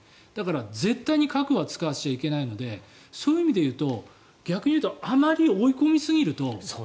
だから絶対に核は使わせちゃいけないのでそういう意味で言うと逆にあまり追い込みすぎると。